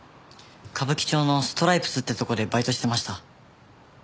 歌舞伎町のＳＴＲＹＰＥＳってとこでバイトしてました。